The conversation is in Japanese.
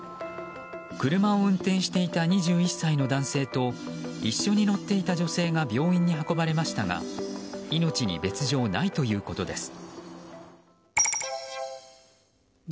車を運転していた２１歳の男性と一緒に乗っていた女性が病院に運ばれましたが命に別条はないということです。